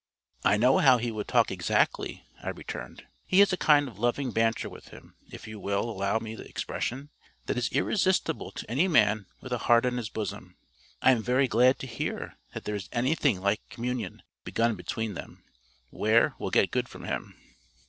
"I know how he would talk exactly," I returned. "He has a kind of loving banter with him, if you will allow me the expression, that is irresistible to any man with a heart in his bosom. I am very glad to hear there is anything like communion begun between them. Weir will get good from him."